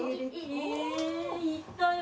・えいったよ・